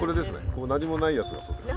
この何もないやつがそうです。